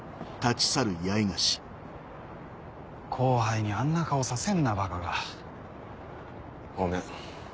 後輩にあんな顔させんなバカが。ごめん。